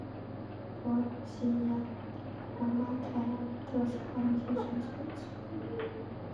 柏尔古希亚古罗马凯尔特神话女性神只之一。